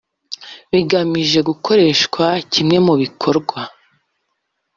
bigamije gukoreshwa kimwe mu bikorwa